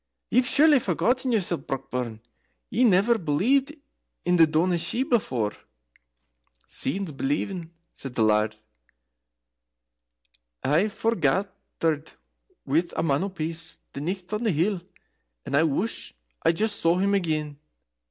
"Ye've surely forgotten yoursel, Brockburn. Ye never believed in the Daoiné Shi before." "Seein's believin'," said the Laird. "I forgathered with a Man o' Peace the nicht on the hill, and I wush I just saw him again."